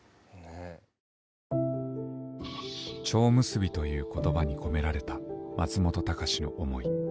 「蝶結び」という言葉に込められた松本隆の思い。